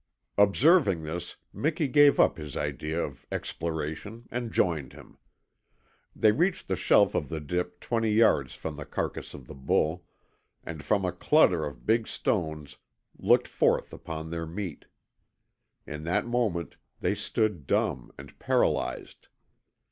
Observing this, Miki gave up his idea of exploration and joined him. They reached the shelf of the dip twenty yards from the carcass of the bull, and from a clutter of big stones looked forth upon their meat. In that moment they stood dumb and paralyzed.